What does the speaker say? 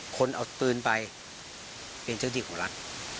คนเอาปืนไปเป็นเจ้าที่ของรัฐ